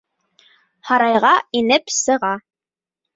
Һарайға инеп сыға.